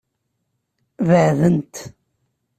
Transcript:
Beɛdent.